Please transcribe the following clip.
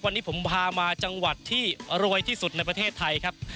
วันนี้ผมพามาจังหวัดที่รวยที่สุดในประเทศไทยครับ